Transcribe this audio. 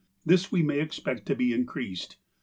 This we may expect to be increased.